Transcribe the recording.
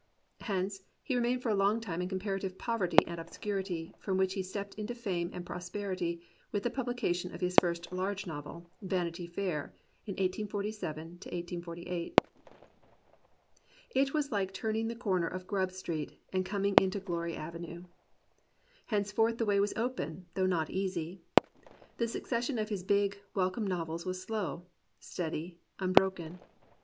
Hence, he remained for a long time in comparative poverty and obscurity, from which he stepped into fame and prosperity with the publication of his first large novel. Vanity Fair, in 1847 48. It was like turn ing the corner of Grub Street and coming into Glory Avenue. Henceforth the way was open, though not easy. The succession of his big, welcome novels was slow, steady, unbroken.